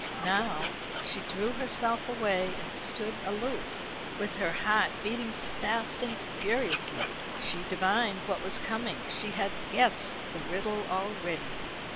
Now she drew herself away and stood aloof, with her heart beating fast and furiously. She divined what was coming. She had guessed the riddle already.